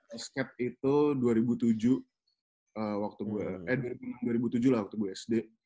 basket itu dua ribu tujuh waktu gue sd